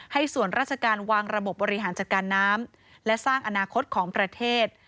ส่วนราชการวางระบบบบริหารจัดการน้ำและสร้างอนาคตของประเทศ